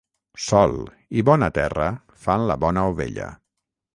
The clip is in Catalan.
Sol i bona terra fan la bona ovella.